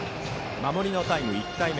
守りのタイム１回目。